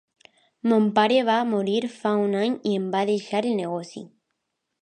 Mon pare va morir fa un any i em va deixar el negoci.